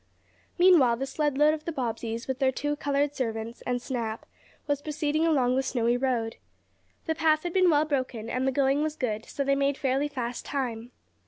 Meanwhile the sled load of the Bobbseys with their two colored servants, and Snap was proceeding along the snowy road. The path had been well broken, and the going was good, so they made fairly fast time.